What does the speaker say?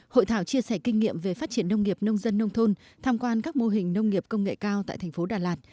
hội thảo chia sẻ kinh nghiệm về phát triển nông nghiệp nông dân nông thôn tham quan các mô hình nông nghiệp công nghệ cao tại thành phố đà lạt